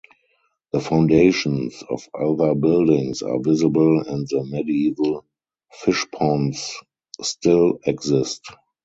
The foundations of other buildings are visible and the medieval fishponds still exist.